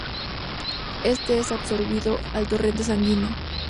Éste es absorbido al torrente sanguíneo.